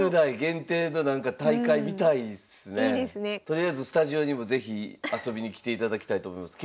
とりあえずスタジオにも是非遊びに来ていただきたいと思います。